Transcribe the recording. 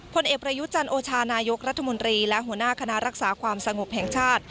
ผลเอกประยุจันโอชานายกรัฐมนตรีและหัวหน้าคณะรักษาความสงบแห่งชาติ